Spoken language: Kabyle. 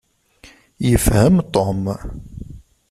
Yefhem Tom.